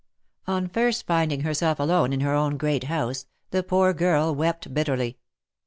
On first finding herself alone in her own great house, the poor girl wept bitterly.